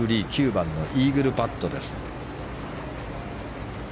９番のイーグルパット。